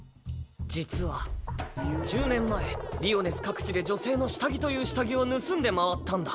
実は１０年前リオネス各地で女性の下着という下着を盗んで回ったんだ。